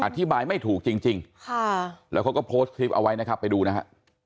ไม่ถูกจริงแล้วเขาก็โพสต์คลิปเอาไว้นะครับไปดูนะฮะ